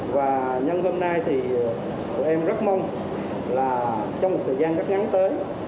và nhân hôm nay thì tụi em rất mong là trong một thời gian rất ngắn tới